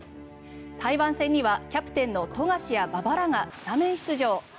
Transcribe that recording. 台湾戦にはキャプテンの富樫や馬場らがスタメン出場。